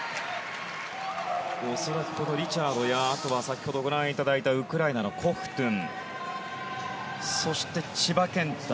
恐らく、リチャードや先ほどご覧いただいたウクライナのコフトゥンそして千葉健太。